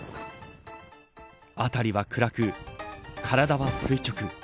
辺りは暗く、体は垂直。